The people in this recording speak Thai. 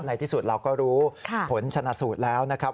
ในที่สุดเราก็รู้ผลชนะสูตรแล้วนะครับ